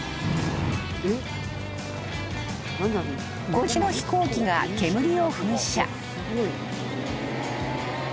［５機の飛行機が煙を噴射］